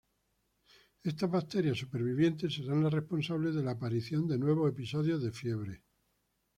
Estas bacterias supervivientes serán las responsables de la aparición de nuevos episodios de fiebre.